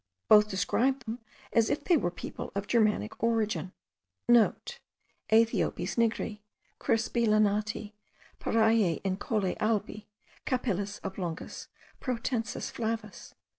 Both describe them as if they were people of Germanic origin,* (* "Aethiopes nigri, crispi lanati; Pariae incolae albi, capillis oblongis protensis flavis."